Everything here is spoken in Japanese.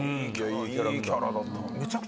いいキャラだった。